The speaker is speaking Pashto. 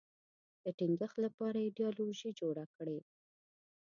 د ټینګښت لپاره ایدیالوژي جوړه کړي